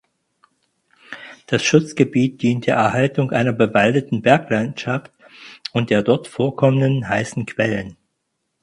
Das Schutzgebiet dient der Erhaltung einer bewaldeten Berglandschaft und der dort vorkommenden heißen Quellen.